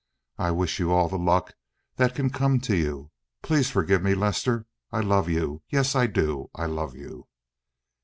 I wish you all the luck that can come to you. Please forgive me, Lester. I love you, yes, I do. I love you.